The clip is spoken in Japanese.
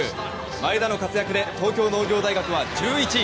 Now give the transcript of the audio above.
前田の活躍で東京農業大学は１１位。